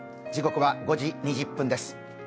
時刻は５時２０分です。